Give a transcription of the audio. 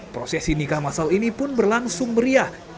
prosesi nikah masal ini pun berlangsung meriah